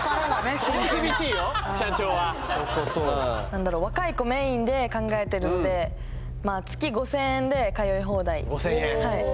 真剣な若い子メインで考えてるので月５０００円で通い放題５０００円